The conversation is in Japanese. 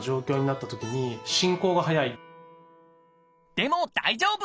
でも大丈夫！